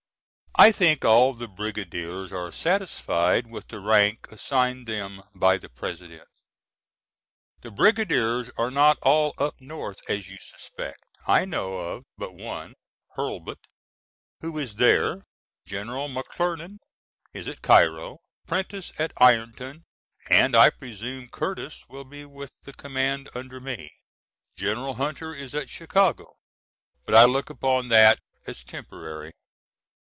I think all the brigadiers are satisfied with the rank assigned them by the President. The brigadiers are not all up north as you suspect. I know of but one, Hurlbut, who is there. General McClernand is at Cairo, Prentiss at Ironton, and I presume Curtis will be with the command under me. General Hunter is at Chicago, but I look upon that as temporary.